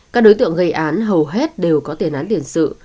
các đối tượng gây án hầu hết đều có tiền án tiền sự